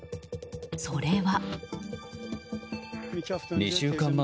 それは。